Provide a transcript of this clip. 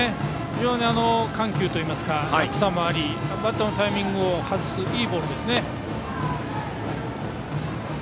非常に緩急といいますか落差もありバッターのタイミングを外すいいボールですね。